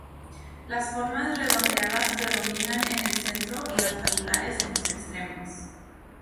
Las formas redondeadas predominan en el centro y las tabulares en los extremos.